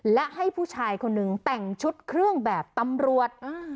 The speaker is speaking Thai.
และให้ผู้ชายคนหนึ่งแต่งชุดเครื่องแบบตำรวจ